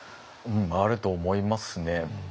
うんあると思いますね。